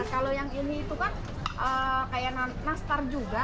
kalau yang ini itu kan kayak nastar juga